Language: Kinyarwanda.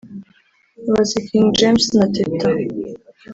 bazi King James na Teta